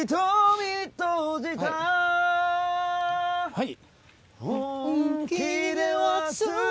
はい。